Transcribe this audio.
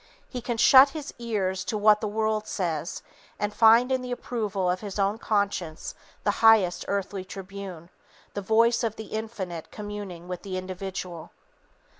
He can shut his ears to "what the world says" and find in the approval of his own conscience the highest earthly tribune, the voice of the Infinite communing with the Individual.